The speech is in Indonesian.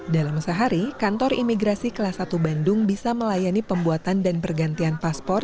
dalam sehari kantor imigrasi kelas satu bandung bisa melayani pembuatan dan pergantian paspor